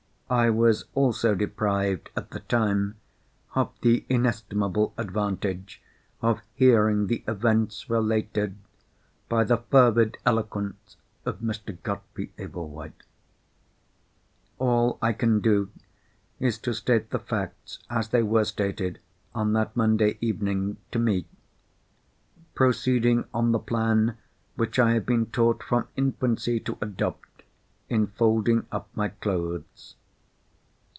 I was also deprived, at the time, of the inestimable advantage of hearing the events related by the fervid eloquence of Mr. Godfrey Ablewhite. All I can do is to state the facts as they were stated, on that Monday evening, to me; proceeding on the plan which I have been taught from infancy to adopt in folding up my clothes.